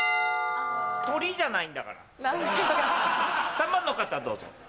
３番の方どうぞ。